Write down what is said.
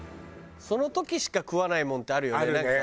その時しか食わないものってあるよね。